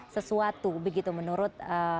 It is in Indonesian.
sesuatu begitu menurut